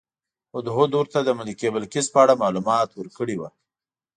هدهد ورته د ملکې بلقیس په اړه معلومات ورکړي وو.